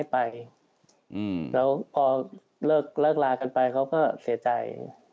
แล้วพอเลิกลากันไปเขาก็เสียใจ